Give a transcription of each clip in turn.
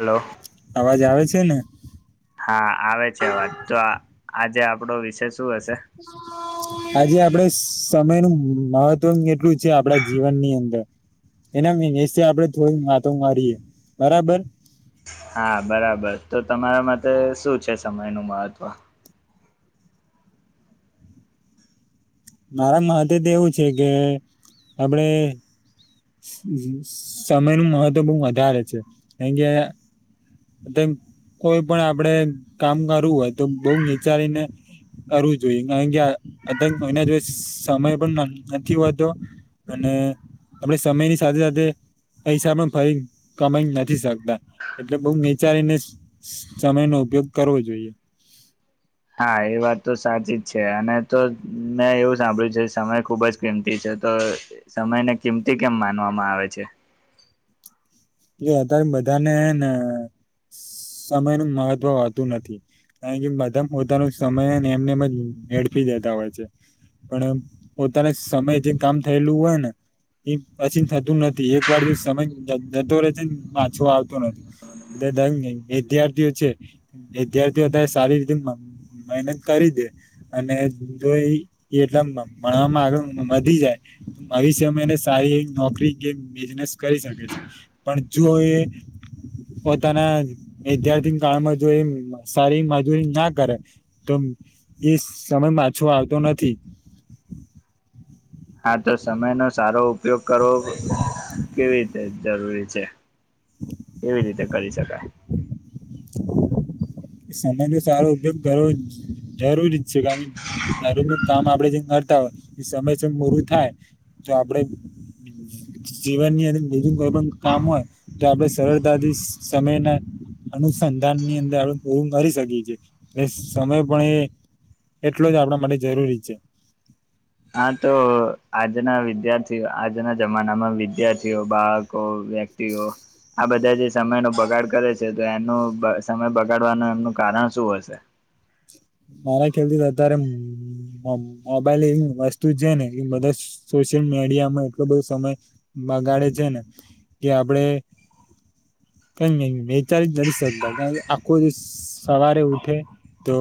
Hello અવાજ આવે છે ને? હા આવે છે વાત તો આજે આપડો વિશેષ આજે આપડે સમયનું મહત્વ કેટલું છે આપડા જીવનની અંદર એના આપડે થોડી વાતો મારીયએ બરાબર. હા બરાબર તો તમારા માટે શું છે સમય નું મહત્વ? મારા મહત્વ તો એવું છે કે આપડે સમય નું મહત્વ બહું વધારે છે કારણ કે કોઈ પણ આપણેે કામ કરવું હોય તો બઉ વિચારીને કરવું જોઈએ કારણ કે અત કોના જો સમય પણ નથી હોતો અને અને આપડ સમય ની સાથે સાથે પૈસા પણ ફરી કમાઈ નથી શકતા એટલે બઉ વિચારીને સમય ન ઉપયોગ કરવો જોઈએ. હા એ વાત તો સાચી જ છે અને તો મેં એવું સાંભળ્યું છે સમય ખુબ જ કિંમતી છે. તો સમયને કિંમતી કેમ માનવામાં આવે છે? એ અત્યારે બધાને ને સમય નું મહત્વ હોતું નથી. કારણ કે બધા પોતાનો, સમય એમને એમજ એડપી દેતા હોય છે. પણ પોતાના સમય, જે કામ થયેલુ હોય ને એ પછી થતુ નથી, એક વાર જો સમય તો માછું આવતુ નથી, એટ વિદ્યાર્થીઓ છે, વિદ્યાર્થીઓ સારી રીતે મહેનત કરી, દે અને જો એટલા આગળ વધી જાય, આવીષ એને સારી નોકરી કે બિઝનેસ કરી શકે છે. પણ જો એ પોતાના વિદ્યાર્થી કાળમા, જો એ સારી મજૂરી ના કરે તો એ સમય પાછો, આવતો નથી. હા, તો સમયનો સારો ઉપયોગ કરવો કેવી રીતે જરૂરી છે. કેવી રીતે, કરી શકાય. સમય નો સારો ઉપયોગ કરવો જરૂરી છે. કારણ કે દારું નું કામ આપડે જે ય એ સમય, સમ મોરુ થાય તો આપડે જીવન ની અદર બીજુ કોઈ પણ કામ હોય. તો આપડે સરળતાથી સમયના અનુસંધાનની અંદર આપણે પૂરું કરી શકીએ છીએ, એ સમય પણ એ એટલુ, જ આપણા માટે જરૂરી છે. હા, તો આજના વિદ્યાર્થીઓ આજના જમાનામાં વિદ્યાર્થીઓ બાળકો વ્યક્તિઓ આ બધા જે સમયનો બગાડ કરે છે, તો એનું સમય બગાડવાનું એમનું કારણ શું હશે. મારા, ખ્યાલથી અત્યારે મોબાઈલ એવી વસ્તુ છેને, એ બધા સોશિયલ મીડિયા માં એટલો બધો સમય બગાડે છેને, કે આપડે ક નહી વિચારી જ નથી. શકતા કારણ કે આખો સવારે ઉઠે તો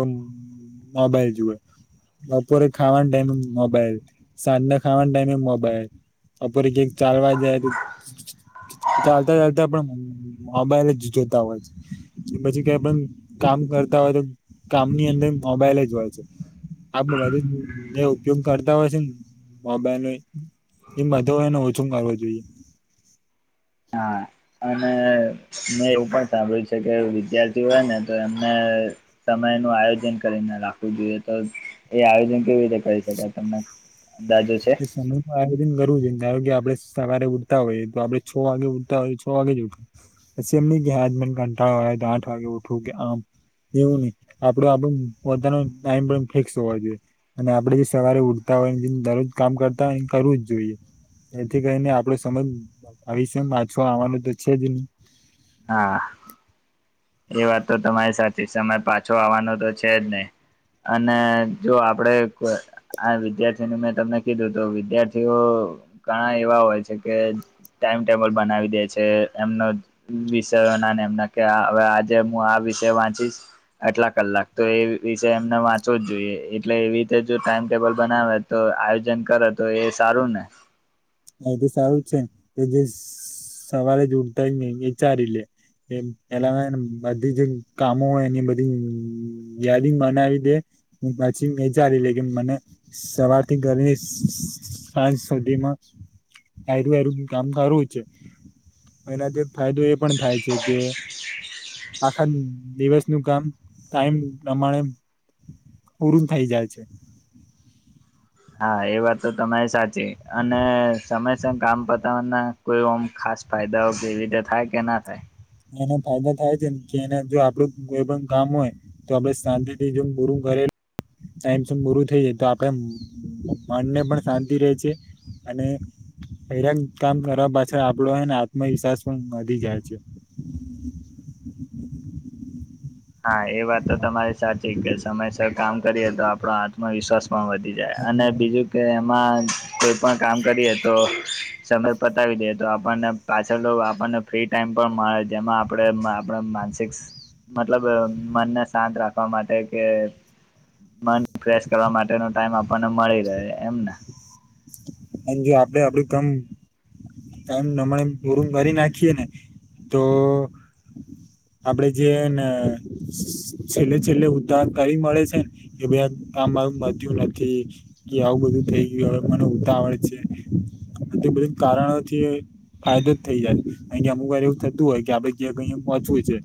હ, ભાઈ જુઓ. બપોરે ખાવાના ટાઈમે મોબાઈલ સાંજના ખાવાની, ટાઈમે મોબાઈલ બપોરે કક ચાલવા, જાય તો ચાલતા ચાલતા પણ મોબાઈલ જ જોતા હોય છે, કે પછી કઈ પણ કામ કરતા હોય તો કામ ની અંદર મોબાઈલ જ હોય છે. આપ બધુ ઉપયોગ કરતા હોય, છેને. મોબાઈલ ન એમ બધો એને ઓછુ, કરવા જોઈએ. હા. અને મે એવુ પણ સાંભળ્યું છે, કે વિદ્યાર્થી હોય, ને તો એમને સમય આયોજન કરીને રાખવુ, જોઈએ. તો એ આયોજન કેવી રીતે કરી શકાય તમને? અંદાજો છે એ સમય આયોજન કરવુ છે. કે આપડે સવારે ઉઠતા હોયએ તો આપડે છ. વાગે ઉઠતા, હોય. તો છ વાગે જ ઉઠ પછી એમની મને કટાળો આવે તો આઠ વાગે ઉઠુ, કે આમ એવું નહ આપડો આપ બધનો ટાઈમ પણ ફિક્સ હોવા, જોઈએ. અને આપડે જે સવારે ઉઠતા દરરોજ કામ કરતા એ કરવુ, જ જોઈએ. એથી કરીને આપડે સમજ આવી છે, માછો આવવાનું તો છે, જ નહી. હા. એ વાત તો તમારી સાથે સમય પાછો આવવાનો તો છે, જ ને. અને જો આપણે આ વિદ્યાર્થી, ન મેં તમને કીધું તો વિદ્યાર્થીઓ ઘણા એવા હોય છે, કે ટાઈમટેબલ બનાવી દે છે, એમનો વિષયો, ના એમના કે હવે આજે હુ, આ વિષય વાંચીશ. આટલા કલાક, તો એ વિશે એમને વાંચવો જ જોઈએ. એટલે એવી રીતે જો ટાઈમ ટેબલ બનાવે તો આયોજન કરે તો એ સારુ, ને હા, તો સારુ છેને. તો જે સવારે જ ઉઠતા હો ને એ ચારી લે એ પલા બધી, જે કામો હોય એની બધી યાદી બનાવી દે હુ, પછી મેચાારી લે કે મને સવાર થી ઘર સાંજ સુધીમાં આર આરગ કામ સારુ છે. એના જે ફાયદો, એ પણ થાય છે કે આખા દિવસનુ, કામ ટાઈમ પ્રમાણે પરન થઇ જાય છે. હા એ વાત તો તમારી સાચી અને સમય સર કામ પતાના કોઈમ ખાસ ફાયદાઓ કેવી રીતે થાય કે ના થાય. એનો ફાયદા થાય છે, ને કે એના જો આપડું કોઈ પણ કામ હોય તો આપડે શાંતિથી જેમ પૂરું કરે સા પૂરું થઈ જાય તો આપડે મનને પણ શાંતિ રહેે છે. અને દરેક કામ કરવા પાછળ આપડો એને આત્મવિશ્વાસ પણ વધી જાય છે. [inaudible] હા, એ વાત તો તમારી સાચી કે સમયસર કામ કરીએ તો આપડો આત્મવિશ્વાસ પણ વધી જાય અને બીજું કે કોઈ પણ કામ કરીએ તો સમય પતાવી દે તો આપણને પાછળ તો આપણને મતલબ ફ્રી ટાઈમ પણ મળે. જેમાં આપ આપ માનસિક મતલબ મનને શાંત રાખવા માટે કે મન ફ્રેશ કરવા માટેનો ટાઈમ આપણને મળી રહે એમને અને જો આપડે આપડું કમ એમ નમણે ગોર કરી નાખીએ ને તો આપડે જેને છેલ્લે છેલ્લે ઉહણ કરી મળે છે, ને કે ભ કામ મતલબ નથી આવું બધું થઈ ગયું હવે મને ઉતાવડ છે. આ તે બધું કારણોથી ફાયદો જ થઇ જાય કાર કે અમુક વાર એવું થતું હોય કે આપડે ક્યાં અહીયા પહોંચવું છે.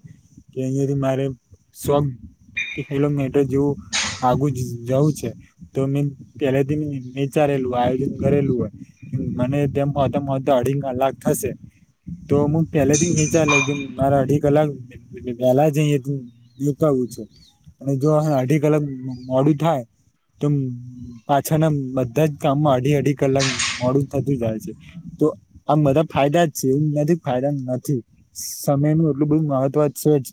કે અહીંથી મારે સ્વ કે હેલો મેટ્ર જેવું આગું જવું છે તો મે પેલાથી વિચારે આયોજન કરેલું હોય મને તેમ પોતા પોતા અઢી કલાક થશે. તો હું પેલાથી વિચાર લઉ કે મારા અઢી કલાક પહેલા જઈએ તો. આવું છે અને જો અઢી કલાક મોડું થાય. તો પાછા ના બધા જ કામમાં અઢી અઢી કલાક મોડું થતું જાય છે, તો આ બધા ફાયદા જ છે એવુંનાથી ફાયદા નથી. સમયનું એટલું બહુ મહત્વ છે જ.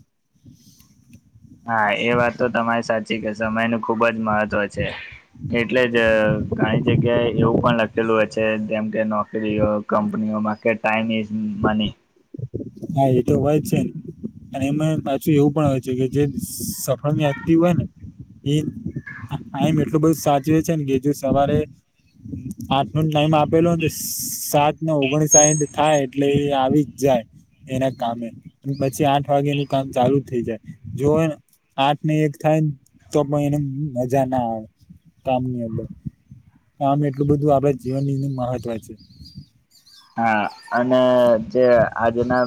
હા એ વાત તો તમારી સાચી કે સમય નુ ખુબ જ મહત્વ છે. એટલે જ ઘણી જગ્યાએ એવું પણ લખેલું હોય છે, જેમ કે નોકરીઓ કંપનીઓ. ઓમા ટાઈમ ઇઝ મની. હા એતો હોય જ છે ન. અને એમાં પાછું એવું પણ હોય છે કે જે સફળ વ્યક્તિ હોય ને એ ટાઈમ એટલું બધુ સાચવે છે મ કેજુ સવારે આઠનો ટાઈમ આપેલોને તો સાત ને ઓગણસાઇઠ થાય એટલે એ આવી જ. જાય એના કામે પછી આઠ વાગે નું કામ ચાલુ થઈ જાય જો એને આઠ ને એક થાયને તો પણ એને મજા ના આવે કામની અંદર આમ એટલું બધું આપડ જીવનની મહત્વ છે. હા અને જે આજના.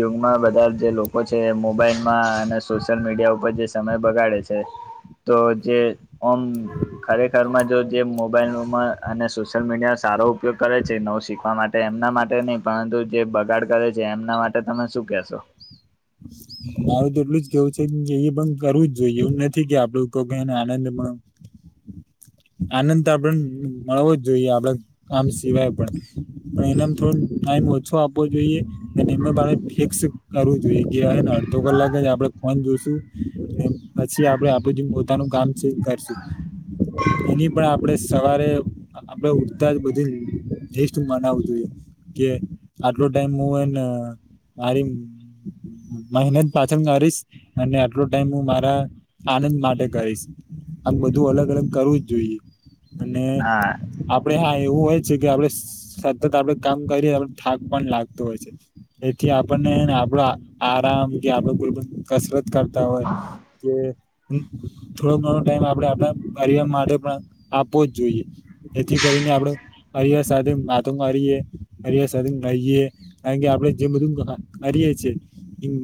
યુગમાં બધા જે લોકો છે. મોબાઈલમાં અને સોશિયલ મીડિયા ઉપર જે સમય બગાડે છે. તો જે ઓમ ખરેખરમાં જો. જે મોબાઈલમાં અને સોશિયલ મીડિયાનો સારો ઉપયોગ કરે છે નવું શીખ ના એમના માટે એમના માટે નહી પરંતુ જે બગાડ કરે છે. એમના માટે તમે શું કેશો? મારું તો એટલું જ કેવું છે એ પણ કરવું જ જોઈએ એવું નથી કે આપડું એને આનંદ મળ [inaudible] આનંદ તો આપડે મળવો જ જોઈએ આપડે આમ સિવાય પણ પણ એના થોડું ટાઈમ. ઓછો આપવો જોઈએ અને એમાં ફિક્સ કરવું જોઈએ. ને અડધો કલાક જ આપડે ફોન જોશું પછી આપડે આપડું જે પોતાનું કામ છે. કરશું. એની પણ આપણેે સવારે આપડે ઉઠતા જ બધી લીસ્ટ મનાવું જોઈએ. કે આટલો ટાઈમ હું એન મારી. મહેનત પાછળ કરીશ અને આટલો ટાઈમ હું મારા આનંદ માટે કરીશ. આ બધું અલગ અલગ કરવું જ જોઈએ અને હા આપડે હા. એવું હોય છે કે આપડે સતત આપડે કામ કરીએ આપ થાક પણ લાગતો હોય છે. એથી આપણને ને આપડા. આરામ કે આપડે કોઈ કસરત કરતા હોય કે. થોડો ઘણો ટાઈમ આપડે આપણા પરિવાર માટે પણ આપવો જ જોઈએ એથી કરી. ને આપડે. પરિવાર સાથે વાતો કરીએે પરિવાર સાથે રહીએ કારણ કે આપડણે જેમ બધું કરી. એ છે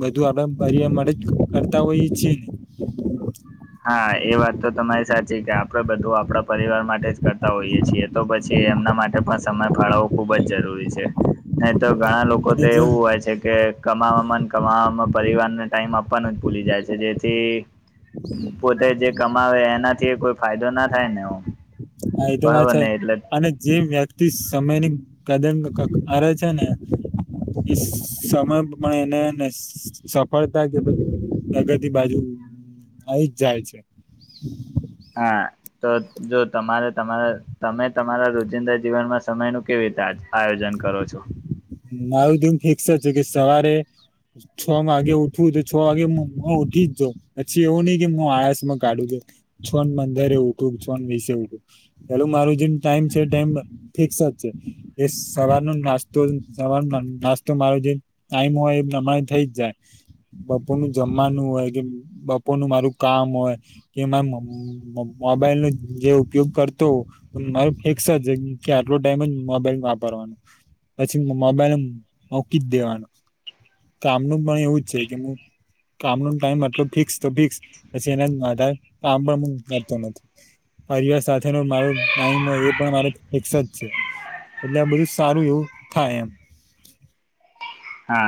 બધું આપડા માટે જ કરતા હોઈએ છીએ ને. હા એ વાત તો તમારી સાચી કે આપડે બધું આપણા પરિવાર માટે જ કરતા હોઈએ છીએ તો પછી. એમના માટે પણ સમય ફાળવવો ખુબ જ જરૂરી છે નહી તો. ઘણા ને લોકો અને તો જે એવું હોય છે કે કમાવામાં. કમાવામાં પરિવારને ટાઈમ આપવાનો જ ભૂલી જાય છે જેથી પોતે જે. કમાવે એનાથી કોઈ ફાયદો ના થાય ને એ. હા એ તો વાત છે અને જે વ્યક્તિ સ સમયની કદર કરે છે ને. એ સમય પણ એને ને સફળતા કે પ્રગતિ બાજુ આવી જ જાય છે. હા તો જો તમારે તમારા તમે તમારા રોજિંદા જીવનમાં સમય નુ કેવી રીતે આયોજન કરો છો. મારું તો એમ ફિક્સ જ છે કે સવારે છ વાગે ઉઠવું તો છ વાગે હું ઉઠ ઈ જ જો પછી એવું નહી કે હું આળસ માં કાઢું છું છન ને પંદરે ઉઠું છન વિષ ઉઠું પેલું મારું જે ટાઈમ છે એ ટાઈમ ફિક્સ જ છે એ સવારનો નાસ્તો સવાર નાસ્તો મારો જે ટાઈમ હોય એ અમારે થઇ જ જાય બપોર નું જમવાનું હોય કે બપોર નું મારું કામ હોય કે મામા એમ મોબાઈલ નો જે ઉપયોગ કરતો હોવ મારું ફિક્સ જ કે આટલો ટાઈમ જ મોબાઈલ વાપરવો પછી મોબાઈલ મોકી જ દેવાનું કામનું પણ એવું જ છે કે કામ નો ટાઈમ આટલો ફિક્સ તો ફિક્સ પછી એનાથી વધારે કામ પણ કરતો નથી પરિવાર સાથેનો મારો ટાઈમ હોય એ પણ મારો ફિક્સ જ છે એટલે આ બધું સારું એવું થાય એમ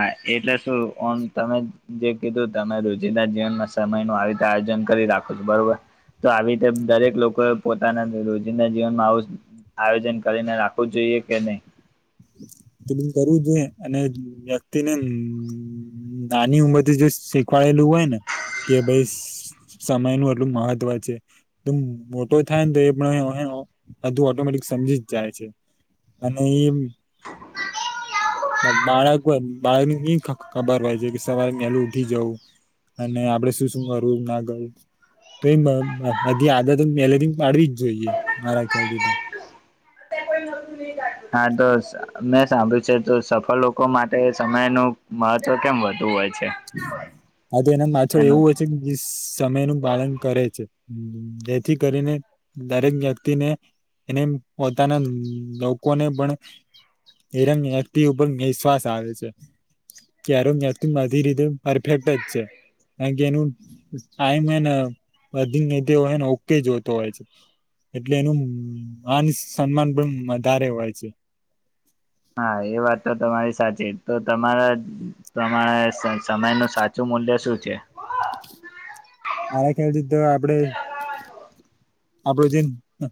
હા એટલે શું ઓમ તમે જે કીધું તમે રોજિંદાર જીવનમાં સમય નું આવી રતે આયોજન કરી રાખો છો બરોબર તો આવી રીતે દરેક લોકો એ પો પોતાના રોજિંદના જીવનમાં આવુજ આવું આયોજન કરીને રાખવું જોઈએ કે નહી તો ભી કરવું જોઈએ અને વ્યક્તિને નાની ઉંમર થી જો શીખવાડેલું હોય ને કે ભાઈ સમય નું એટલું મહત્વ છે તો મોટો થાય ને તો એ પણ ની બધુ ઓટોમેટિક સમજી જ જાય છે અને એમ બાળક બાળકને કઈ ખબર હોય છે કે સવારે વહેલું ઉઠી જવું અને આપડે શું શું કરવું ના કરું તો બધી આદતો પહેલેથી પાડવી જ જોઈએ મારા ખ્યાલથી તો હા તો મેં સાંભળ્યું છે તો સફળ લોકો માટે સમય નું મહત્વ કેમ વધુ હોય છે હા તો એના માથે એવું એનું હોય છે જિસ સમય નું પાલન કરે છે જેથી કરીને દરેક વ્યક્તિને એને પોતાના લોકોને પણ નિયમ વ્યક્તિ ઉપર નિશ્વાસ આવે છે કે કેરમ દી રિધમ પરફેક્ટ જ છે કારણ કે એનું ટાઈમ એન્ડ વધી નીતિઓ ઓકે જોતો હોય છે એટલે એનું માન સન્માન પણ વધારે હોય છે હા એ વાત તો તમારી સાચી તો તમારા પ્રમાણે સમય નું સાચું મૂલ્ય શું છે મારા ખ્યાલથી તો આપણે આપણો જે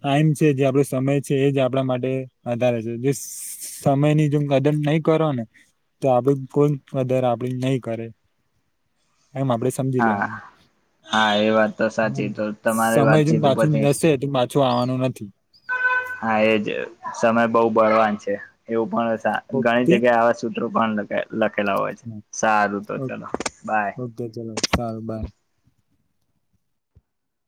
ટાઈમ છે જે આપણો સમય છે એ જ આપણા માટે વધારે છે જે સ સમય ની જો કદર નહી કરો ને તો આપડી કોઈ કદર આપડી નહીં કરે [inaudible] એમ આપડે સમજી હા લેવાનું હા એ વાત તો સાચી તો તમારી સમય જ વાતચીત બા જેમ ઉપરથી જશે તેમ પાછો આવવાનો નથી હા એજ સમય બહુ બળવાન છે એવું પણ ઘણી ઓકે જગ્યાએ આવા સૂત્રો પણ લખે લખેલા હોય છે સારું તો ચલો બાય ઓકે ચલો સારું બાય.